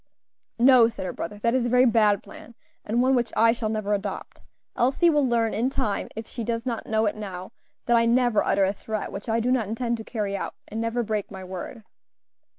"No," said her brother, "that is a very bad plan, and one which I shall never adopt. Elsie will learn in time, if she does not know it now, that I never utter a threat which I do not intend to carry out, and never break my word."